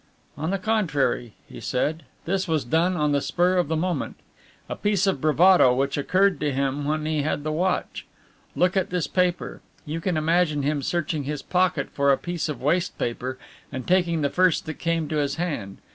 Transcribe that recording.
"On the contrary," he said, "this was done on the spur of the moment. A piece of bravado which occurred to him when he had the watch. Look at this paper. You can imagine him searching his pocket for a piece of waste paper and taking the first that came to his hand.